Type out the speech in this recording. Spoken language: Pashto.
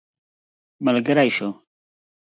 ملګری سو.